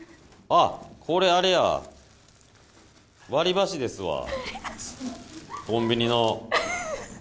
あっ、これ、あれや、割り箸ですわ、コンビニの。